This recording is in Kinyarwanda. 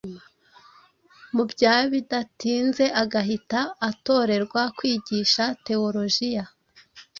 mu bya bidatinze agahita atorerwa kwigisha teolojiya